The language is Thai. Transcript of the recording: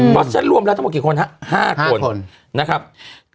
เพราะฉันรวมแล้วตั้งหมดกี่คนครับ๕คน